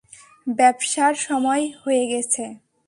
ব্যাবসার সময় হয়ে গেছে।